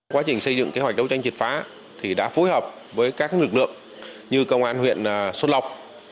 quá trình xây dựng kế hoạch đấu tranh triệt phá thì đã phối hợp với các lực lượng như công an huyện xuân lọc